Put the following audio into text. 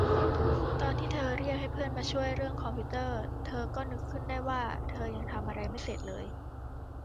ตอนที่เธอเรียกให้เพื่อนมาช่วยเรื่องคอมพิวเตอร์ เธอก็นึกขึ้นได้ว่าเธอยังทำอะไรไม่เสร็จเลย